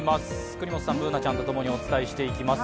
國本さん、Ｂｏｏｎａちゃんとともにお伝えしていきます。